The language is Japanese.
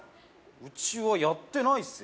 うちはやってないっすよ